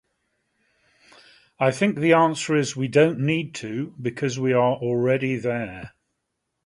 I think the answer is we don't need to because we are already there.